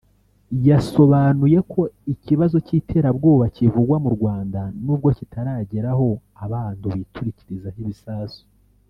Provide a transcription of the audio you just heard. yasobanuye ko ikibazo cy’iterabwoba kivugwa mu Rwanda n’ubwo kitaragera aho abantu biturikirizaho ibisasu